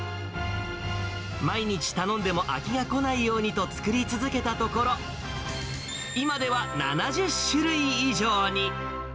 毎日頼んでも飽きがこないようにと作り続けたところ、今では７０種類以上に。